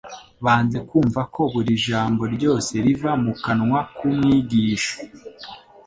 Banze kumva ko buri jambo ryose riva mu kanwa k'Umwigisha